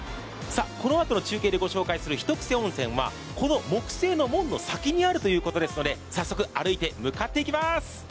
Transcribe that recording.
このあとの中継でお伝えするひとクセ温泉はこの木製の門の先にあるということですので早速、歩いて向かっていきます！